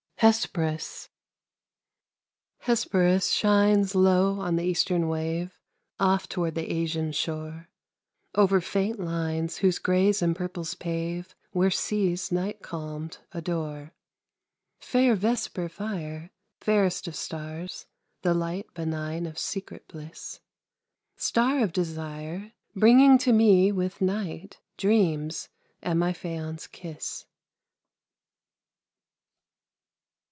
HESPERUS Hesperus shines Low on the eastern wave, Off toward the Asian shore; Over faint lines Whose grays and purples pave Where seas night calmed adore. Fair vesper fire, Fairest of stars, the light Benign of secret bliss; Star of desire, Bringing to me with night Dreams and my Phaon's kiss.